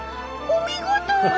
お見事！